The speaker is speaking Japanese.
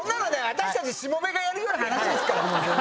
私たちしもべがやるような話ですから。